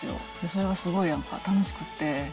それがすごいなんか楽しくて。